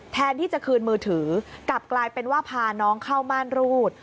แทนที่จะคืนมือถือกลับกลายเป็นว่าพาน้องเข้าม่านรูด